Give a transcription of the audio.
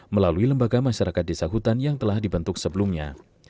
melalui lembaga masyarakat desa hutan yang telah dibentuk sebelumnya